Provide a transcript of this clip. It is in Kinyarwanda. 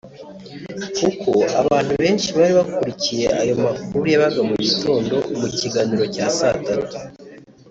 Kuko abantu benshi bari bakurikiye aya makuru yabaga mu gitondo mu kiganiro cya saa tatu